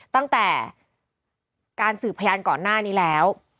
ตั้งแต่การสืบพยานก่อนหน้านี้แล้ว